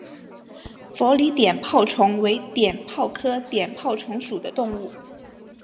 佛理碘泡虫为碘泡科碘泡虫属的动物。